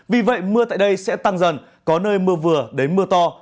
vì vậy mưa tại đây sẽ tăng dần có nơi mưa vừa đến mưa to